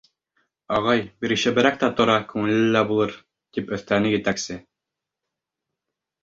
— Ағай бирешеберәк тә тора, күңеле лә булыр, — тип өҫтәне етәксе.